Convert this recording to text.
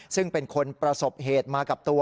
ซึ่งเป็นคนประสบเหตุมากับตัว